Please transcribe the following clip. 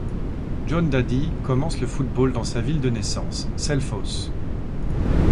Jón Daði commence le football dans sa ville de naissance, Selfoss.